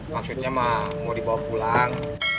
maksudnya mau dibawa pulang